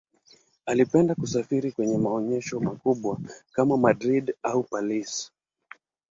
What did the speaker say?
Alipenda kusafiri penye maonyesho makubwa kama Madrid au Paris.